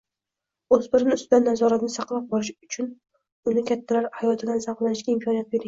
O‘spirin ustidan nazoratni saqlab qolish uchun unga kattalar hayotidan zavqlanishga imkoniyat bering.